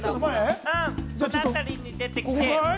この辺りに出てきて。